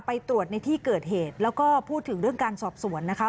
ไปตรวจในที่เกิดเหตุแล้วก็พูดถึงเรื่องการสอบสวนนะคะ